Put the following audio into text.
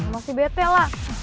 masih bete lah